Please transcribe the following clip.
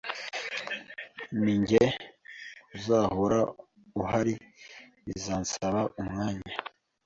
Ninjye uzahora uhari bizansaba umwanya